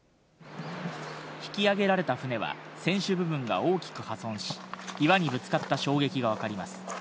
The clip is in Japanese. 引き揚げられた船は、船首部分が大きく破損し、岩にぶつかった衝撃が分かります。